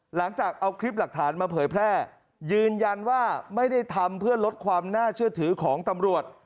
หลังจากเอาคลิปหลักฐานมาเผยแพร่ยืนยันว่าไม่ได้ทำเพื่อลดความน่าเชื่อถือของตำรวจ